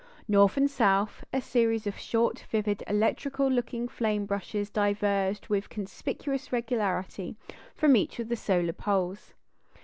North and south, a series of short, vivid, electrical looking flame brushes diverged with conspicuous regularity from each of the solar poles.